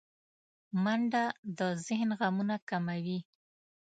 منډه د ذهن غمونه کموي